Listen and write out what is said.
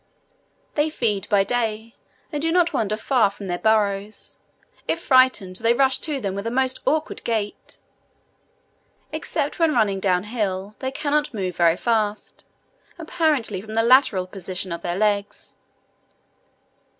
They feed by day, and do not wander far from their burrows; if frightened, they rush to them with a most awkward gait. Except when running down hill, they cannot move very fast, apparently from the lateral position of their legs.